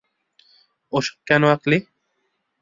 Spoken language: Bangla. ওসব কেন আঁকলি?